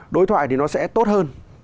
đối thoại thì nó sẽ tốt hơn